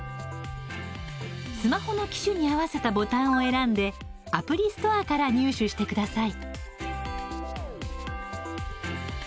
スマホの機種に合わせたボタンを選んでアプリストアから入手してください。